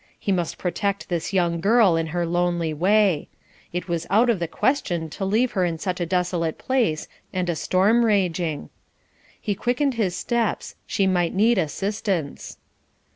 He must protect this young girl in her lonely way; it was out of the question to leave her in such a desolate place and a storm raging. He quickened his steps; she might need assistance.